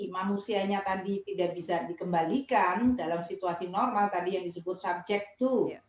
manusianya tadi tidak bisa dikembalikan dalam situasi normal tadi yang disebut subject to